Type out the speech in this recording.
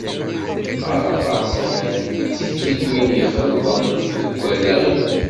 Qqareɣ-as kan d tiktiwin i ixelḍen deg wallaɣ-iw.